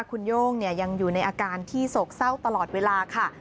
คุณโย่งยังอยู่ในอาการที่โศกเศร้าตลอดเวลาค่ะ